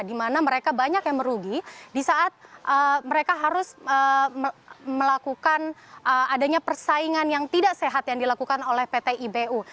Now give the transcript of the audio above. di mana mereka banyak yang merugi di saat mereka harus melakukan adanya persaingan yang tidak sehat yang dilakukan oleh pt ibu